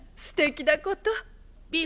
すてきだこと。